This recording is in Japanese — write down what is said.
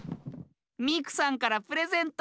ミクさんからプレゼント。